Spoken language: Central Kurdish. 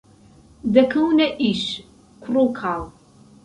دەکەونە ئیش کوڕ و کاڵ